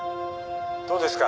どうですか？